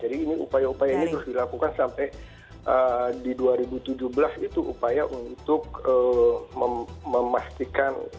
jadi ini upaya upaya ini terus dilakukan sampai di dua ribu tujuh belas itu upaya untuk memastikan